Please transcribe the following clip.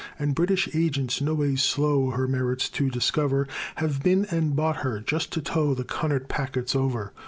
And British Agents, no ways slow Her merits to discover, Have been and bought her just to tow The Cunard packets over.